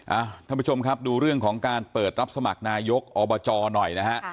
ท่านผู้ชมครับดูเรื่องของการเปิดรับสมัครนายกอบจหน่อยนะฮะ